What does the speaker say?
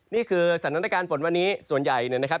นี่คือสถานการณ์ฝนวันนี้ส่วนใหญ่เนี่ยนะครับ